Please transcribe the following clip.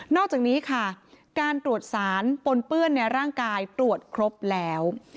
อกจากนี้ค่ะการตรวจสารปนเปื้อนในร่างกายตรวจครบแล้ว